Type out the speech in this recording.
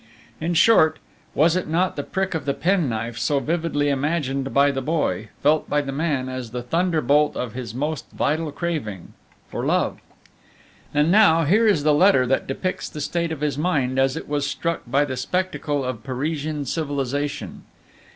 In short, was it not the prick of the penknife so vividly imagined by the boy, felt by the man as the thunderbolt of his most vital craving for love? And now, here is the letter that depicts the state of his mind as it was struck by the spectacle of Parisian civilization.